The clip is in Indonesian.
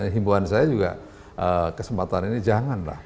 himbauan saya juga kesempatan ini jangan lah